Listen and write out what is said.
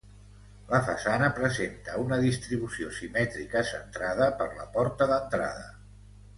La façana presenta una distribució simètrica centrada per la porta d'entrada.